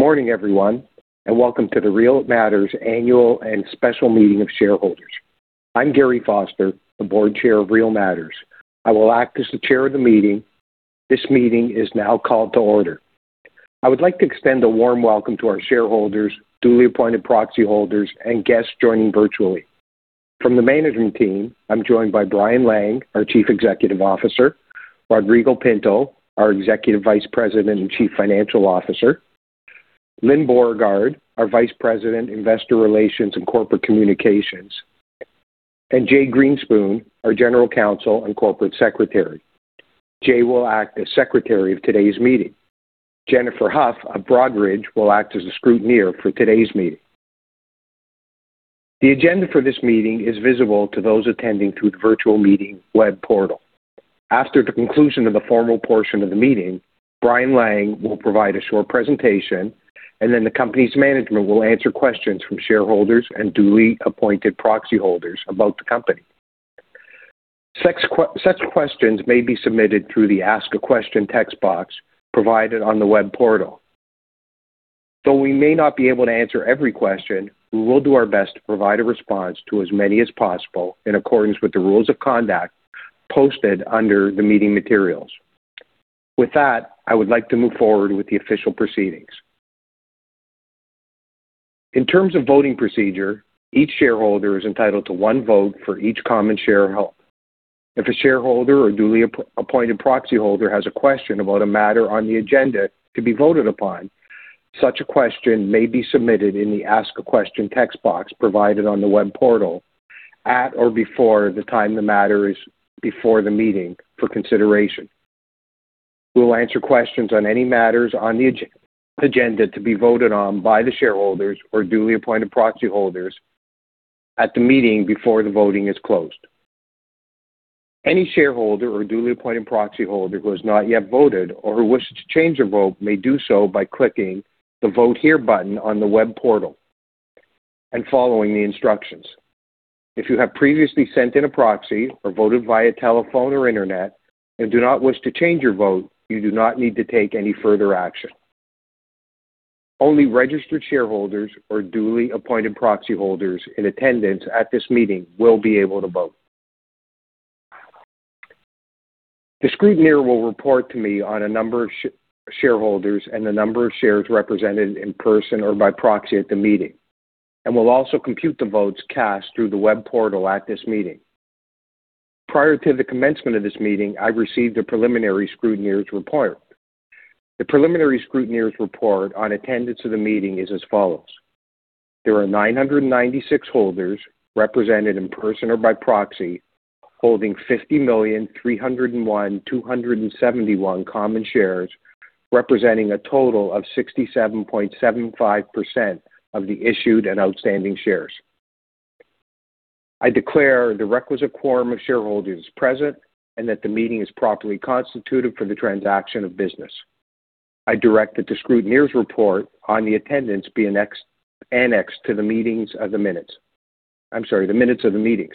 Good morning, everyone, and welcome to the Real Matters Annual and Special Meeting of Shareholders. I'm Garry Foster, the Board Chair of Real Matters. I will act as the chair of the meeting. This meeting is now called to order. I would like to extend a warm welcome to our shareholders, duly appointed proxy holders, and guests joining virtually. From the management team, I'm joined by Brian Lang, our Chief Executive Officer, Rodrigo Pinto, our Executive Vice President and Chief Financial Officer, Lyne Beauregard, our Vice President, Investor Relations and Corporate Communications, and Jay Greenspoon, our General Counsel and Corporate Secretary. Jay will act as secretary of today's meeting. Jennifer Huff of Broadridge will act as the scrutineer for today's meeting. The agenda for this meeting is visible to those attending through the virtual meeting web portal. After the conclusion of the formal portion of the meeting, Brian Lang will provide a short presentation, and then the company's management will answer questions from shareholders and duly appointed proxy holders about the company. Such questions may be submitted through the Ask a Question text box provided on the web portal. Though we may not be able to answer every question, we will do our best to provide a response to as many as possible in accordance with the rules of conduct posted under the meeting materials. With that, I would like to move forward with the official proceedings. In terms of voting procedure, each shareholder is entitled to one vote for each common share held. If a shareholder or duly appointed proxy holder has a question about a matter on the agenda to be voted upon, such a question may be submitted in the Ask a Question text box provided on the web portal at or before the time the matter is before the meeting for consideration. We'll answer questions on any matters on the agenda to be voted on by the shareholders or duly appointed proxy holders at the meeting before the voting is closed. Any shareholder or duly appointed proxy holder who has not yet voted or who wishes to change their vote may do so by clicking the Vote Here button on the web portal and following the instructions. If you have previously sent in a proxy or voted via telephone or internet and do not wish to change your vote, you do not need to take any further action. Only registered shareholders or duly appointed proxy holders in attendance at this meeting will be able to vote. The scrutineer will report to me on a number of shareholders and the number of shares represented in person or by proxy at the meeting, and will also compute the votes cast through the web portal at this meeting. Prior to the commencement of this meeting, I received the preliminary scrutineer's report. The preliminary scrutineer's report on attendance of the meeting is as follows: There are 996 holders, represented in person or by proxy, holding 50,301,271 common shares, representing a total of 67.75% of the issued and outstanding shares. I declare the requisite quorum of shareholders present and that the meeting is properly constituted for the transaction of business. I direct that the scrutineer's report on the attendance be annexed to the minutes of the meeting. I'm sorry, the minutes of the meeting.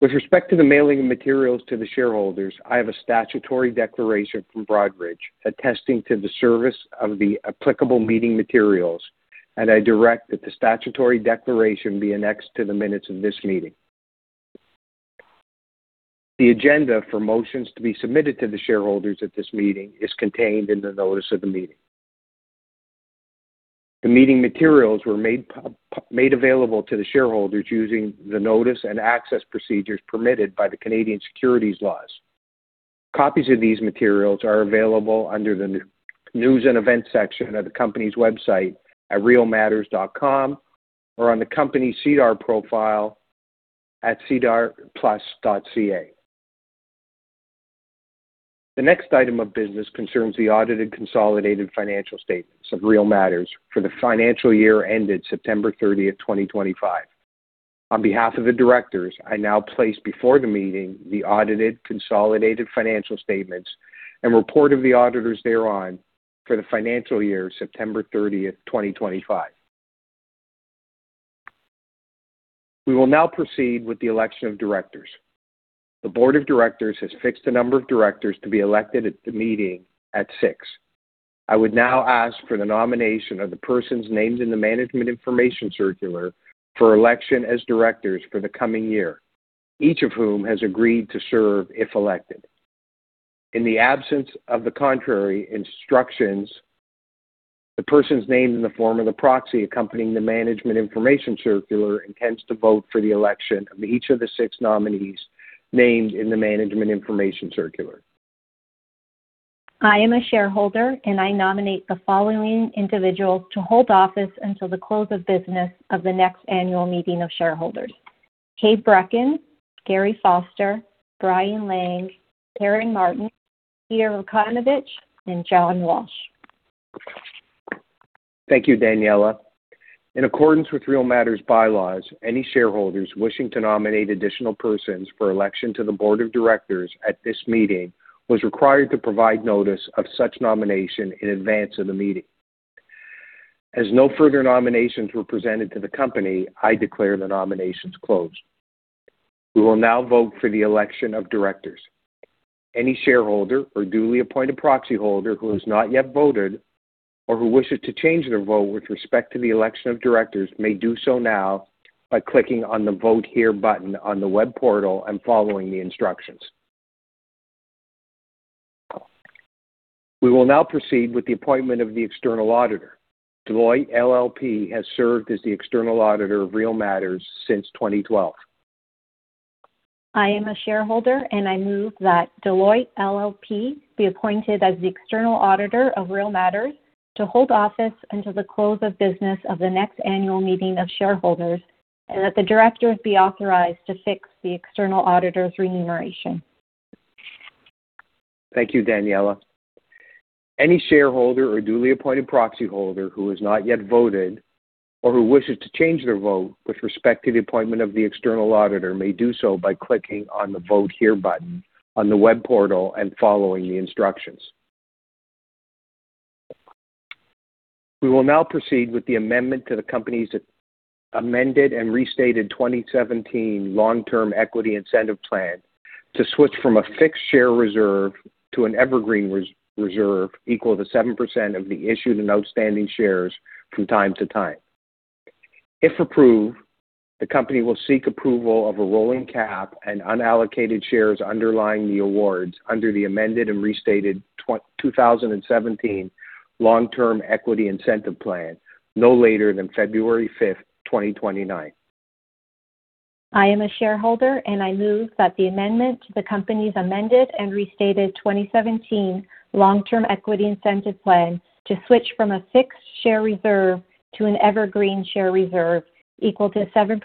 With respect to the mailing of materials to the shareholders, I have a statutory declaration from Broadridge attesting to the service of the applicable meeting materials, and I direct that the statutory declaration be annexed to the minutes of this meeting. The agenda for motions to be submitted to the shareholders at this meeting is contained in the notice of the meeting. The meeting materials were made available to the shareholders using the notice and access procedures permitted by the Canadian securities laws. Copies of these materials are available under the News and Events section of the company's website at realmatters.com or on the company's SEDAR+ profile at sedarplus.ca. The next item of business concerns the audited consolidated financial statements of Real Matters for the financial year ended September 30, 2025. On behalf of the directors, I now place before the meeting the audited consolidated financial statements and report of the auditors thereon for the financial year, September 30, 2025. We will now proceed with the election of directors. The board of directors has fixed the number of directors to be elected at the meeting at six. I would now ask for the nomination of the persons named in the Management Information Circular for election as directors for the coming year, each of whom has agreed to serve if elected. In the absence of the contrary instructions, the persons named in the form of the proxy accompanying the Management Information Circular intend to vote for the election of each of the six nominees named in the Management Information Circular. I am a shareholder, and I nominate the following individuals to hold office until the close of business of the next annual meeting of shareholders: Kay Brekken, Garry Foster, Brian Lang, Karen Martin, Peter Vukanovich, and John Walsh. Thank you, Daniela. In accordance with Real Matters bylaws, any shareholders wishing to nominate additional persons for election to the board of directors at this meeting was required to provide notice of such nomination in advance of the meeting. As no further nominations were presented to the company, I declare the nominations closed. We will now vote for the election of directors. Any shareholder or duly appointed proxy holder who has not yet voted or who wishes to change their vote with respect to the election of directors, may do so now by clicking on the Vote Here button on the web portal and following the instructions. We will now proceed with the appointment of the external auditor. Deloitte LLP has served as the external auditor of Real Matters since 2012. I am a shareholder, and I move that Deloitte LLP be appointed as the external auditor of Real Matters to hold office until the close of business of the next annual meeting of shareholders, and that the directors be authorized to fix the external auditor's remuneration. Thank you, Daniella. Any shareholder or duly appointed proxy holder who has not yet voted or who wishes to change their vote with respect to the appointment of the external auditor, may do so by clicking on the Vote Here button on the web portal and following the instructions. We will now proceed with the amendment to the company's amended and restated 2017 long-term equity incentive plan to switch from a fixed share reserve to an evergreen reserve equal to 7% of the issued and outstanding shares from time to time. If approved, the company will seek approval of a rolling cap and unallocated shares underlying the awards under the amended and restated 2017 long-term equity incentive plan no later than February 5, 2029. I am a shareholder, and I move that the amendment to the company's Amended and Restated 2017 Long-Term Equity Incentive Plan to switch from a fixed share reserve to an evergreen share reserve equal to 7%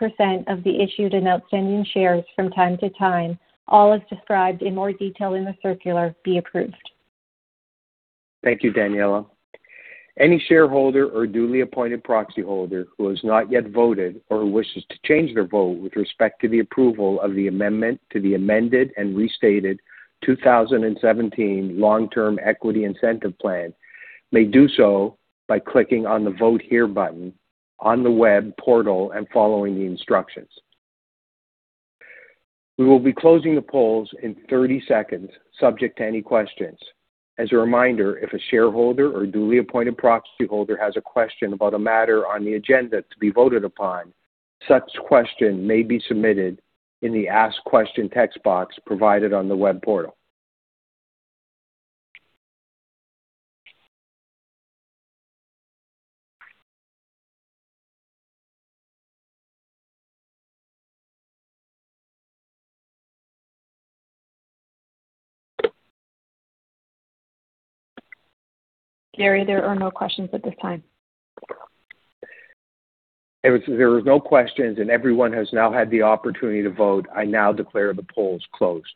of the issued and outstanding shares from time to time, all as described in more detail in the circular, be approved. Thank you, Daniella. Any shareholder or duly appointed proxy holder who has not yet voted or wishes to change their vote with respect to the approval of the amendment to the amended and restated 2017 long-term equity incentive plan, may do so by clicking on the Vote Here button on the web portal and following the instructions. We will be closing the polls in 30 seconds, subject to any questions. As a reminder, if a shareholder or duly appointed proxy holder has a question about a matter on the agenda to be voted upon, such question may be submitted in the Ask Question text box provided on the web portal. Garry, there are no questions at this time. If there are no questions and everyone has now had the opportunity to vote, I now declare the polls closed.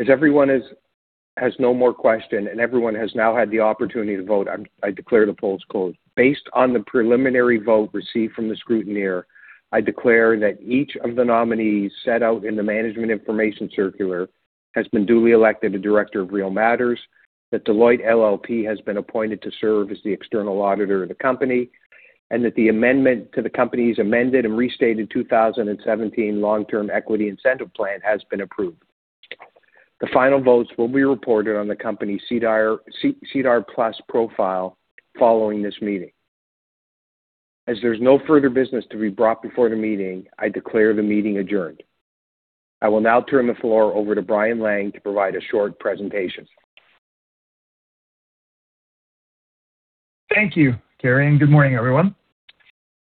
As everyone has no more question, and everyone has now had the opportunity to vote, I declare the polls closed. Based on the preliminary vote received from the scrutineer, I declare that each of the nominees set out in the Management Information Circular has been duly elected a director of Real Matters, that Deloitte LLP has been appointed to serve as the external auditor of the company, and that the amendment to the company's amended and restated 2017 long-term equity incentive plan has been approved. The final votes will be reported on the company's SEDAR+, SEDAR+ profile following this meeting. As there's no further business to be brought before the meeting, I declare the meeting adjourned. I will now turn the floor over to Brian Lang to provide a short presentation. Thank you, Gary, and good morning, everyone.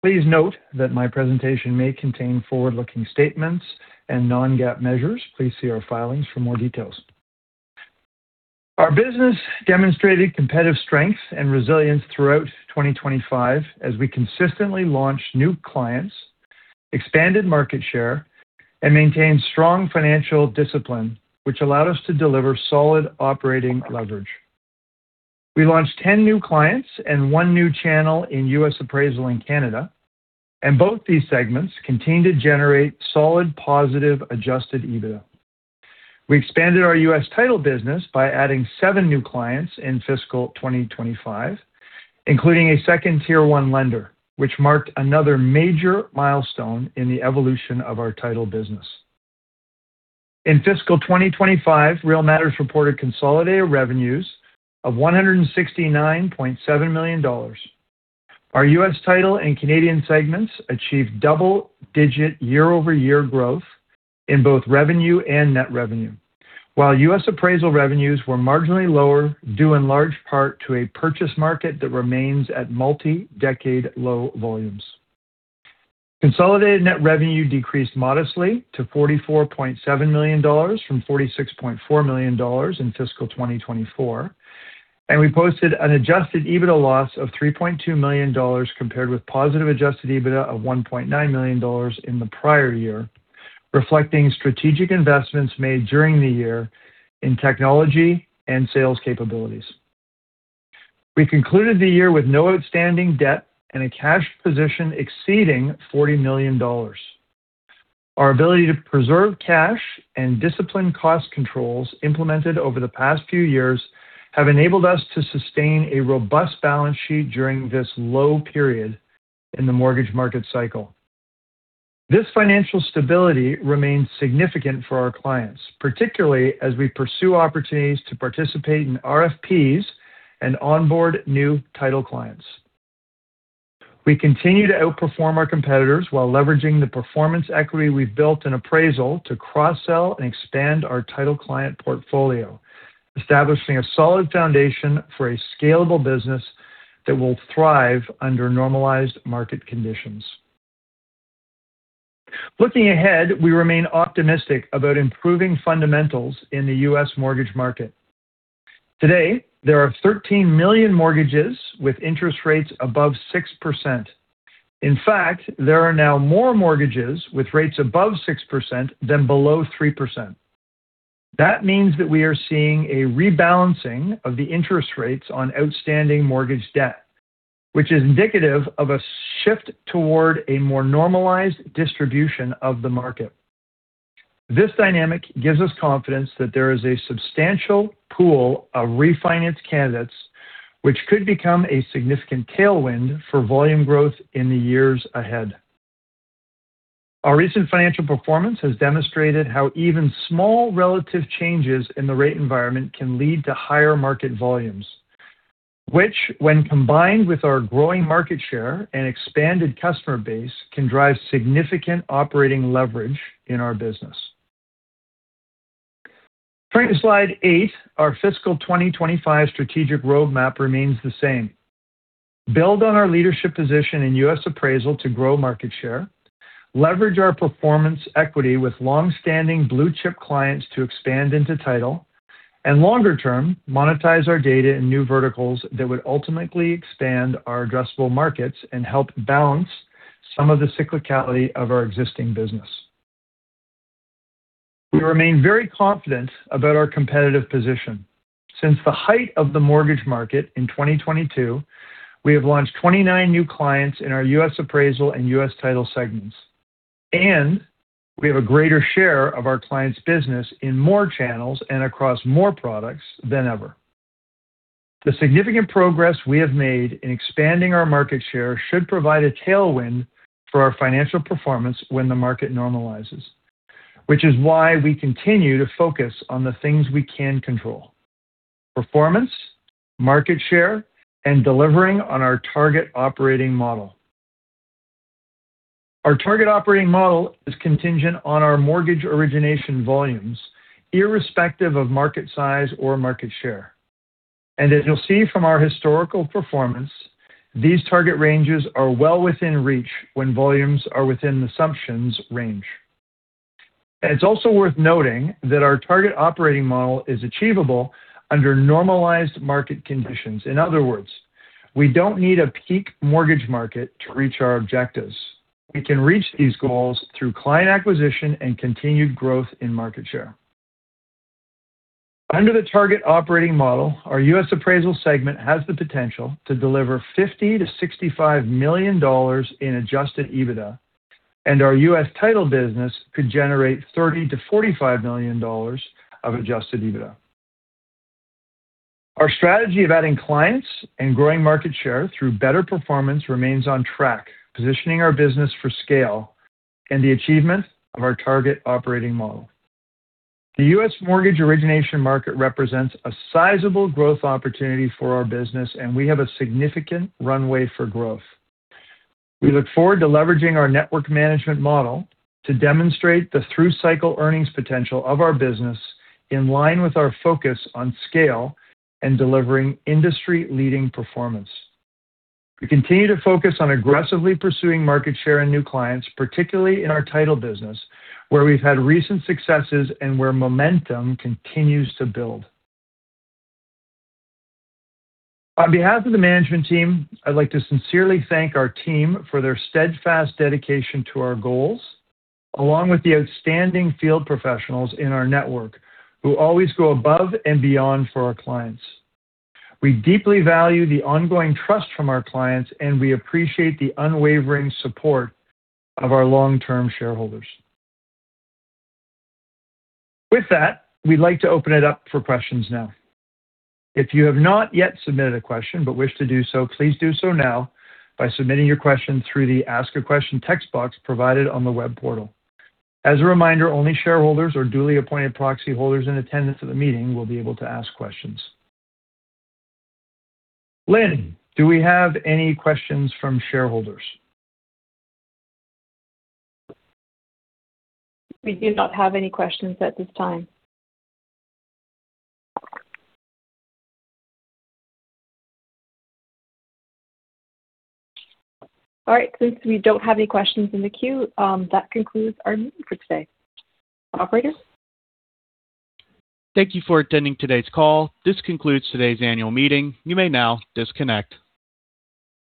Please note that my presentation may contain forward-looking statements and non-GAAP measures. Please see our filings for more details. Our business demonstrated competitive strength and resilience throughout 2025 as we consistently launched new clients, expanded market share, and maintained strong financial discipline, which allowed us to deliver solid operating leverage. We launched 10 new clients and one new channel in U.S. Appraisal and Canada, and both these segments continued to generate solid, positive, Adjusted EBITDA. We expanded our U.S. Title business by adding seven new clients in fiscal 2025, including a second Tier One lender, which marked another major milestone in the evolution of our title business. In fiscal 2025, Real Matters reported consolidated revenues of $169.7 million. Our U.S. Title and Canadian segments achieved double-digit year-over-year growth in both revenue and net revenue, while U.S. Appraisal revenues were marginally lower, due in large part to a purchase market that remains at multi-decade low volumes. Consolidated net revenue decreased modestly to $44.7 million from $46.4 million in fiscal 2024, and we posted an adjusted EBITDA loss of $3.2 million, compared with positive adjusted EBITDA of $1.9 million in the prior year, reflecting strategic investments made during the year in technology and sales capabilities. We concluded the year with no outstanding debt and a cash position exceeding $40 million. Our ability to preserve cash and discipline cost controls implemented over the past few years have enabled us to sustain a robust balance sheet during this low period in the mortgage market cycle. This financial stability remains significant for our clients, particularly as we pursue opportunities to participate in RFPs and onboard new title clients. We continue to outperform our competitors while leveraging the performance equity we've built in appraisal to cross-sell and expand our title client portfolio, establishing a solid foundation for a scalable business that will thrive under normalized market conditions. Looking ahead, we remain optimistic about improving fundamentals in the U.S. mortgage market. Today, there are 13 million mortgages with interest rates above 6%. In fact, there are now more mortgages with rates above 6% than below 3%. That means that we are seeing a rebalancing of the interest rates on outstanding mortgage debt, which is indicative of a shift toward a more normalized distribution of the market. This dynamic gives us confidence that there is a substantial pool of refinance candidates, which could become a significant tailwind for volume growth in the years ahead. Our recent financial performance has demonstrated how even small relative changes in the rate environment can lead to higher market volumes, which, when combined with our growing market share and expanded customer base, can drive significant operating leverage in our business. Turning to slide eight, our fiscal 2025 strategic roadmap remains the same. Build on our leadership position in U.S. Appraisal to grow market share, leverage our performance equity with long-standing blue-chip clients to expand into title, and longer term, monetize our data in new verticals that would ultimately expand our addressable markets and help balance some of the cyclicality of our existing business. We remain very confident about our competitive position. Since the height of the mortgage market in 2022, we have launched 29 new clients in our US Appraisal and US Title segments, and we have a greater share of our clients' business in more channels and across more products than ever. The significant progress we have made in expanding our market share should provide a tailwind for our financial performance when the market normalizes, which is why we continue to focus on the things we can control: performance, market share, and delivering on our Target Operating Model. Our Target Operating Model is contingent on our mortgage origination volumes, irrespective of market size or market share. And as you'll see from our historical performance, these target ranges are well within reach when volumes are within the assumptions range. And it's also worth noting that our Target Operating Model is achievable under normalized market conditions. In other words, we don't need a peak mortgage market to reach our objectives. We can reach these goals through client acquisition and continued growth in market share. Under the Target Operating Model, our U.S. appraisal segment has the potential to deliver $50-$65 million in Adjusted EBITDA, and our U.S. title business could generate $30 million-$45 million of Adjusted EBITDA. Our strategy of adding clients and growing market share through better performance remains on track, positioning our business for scale and the achievement of our Target Operating Model. The U.S. mortgage origination market represents a sizable growth opportunity for our business, and we have a significant runway for growth. We look forward to leveraging our network management model to demonstrate the through-cycle earnings potential of our business in line with our focus on scale and delivering industry-leading performance. We continue to focus on aggressively pursuing market share and new clients, particularly in our title business, where we've had recent successes and where momentum continues to build. On behalf of the management team, I'd like to sincerely thank our team for their steadfast dedication to our goals, along with the outstanding field professionals in our network who always go above and beyond for our clients. We deeply value the ongoing trust from our clients, and we appreciate the unwavering support of our long-term shareholders. With that, we'd like to open it up for questions now. If you have not yet submitted a question but wish to do so, please do so now by submitting your question through the Ask a Question text box provided on the web portal. As a reminder, only shareholders or duly appointed proxy holders in attendance of the meeting will be able to ask questions. Lynn, do we have any questions from shareholders? We do not have any questions at this time. All right, since we don't have any questions in the queue, that concludes our meeting for today. Operator? Thank you for attending today's call. This concludes today's annual meeting. You may now disconnect.